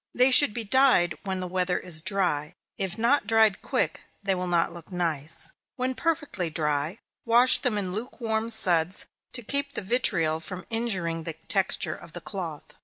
They should be dyed when the weather is dry if not dried quick, they will not look nice. When perfectly dry, wash them in lukewarm suds, to keep the vitriol from injuring the texture of the cloth.